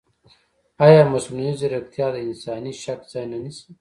ایا مصنوعي ځیرکتیا د انساني شک ځای نه نیسي؟